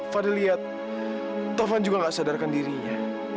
fadli lihat taufan juga gak sadarkan dirinya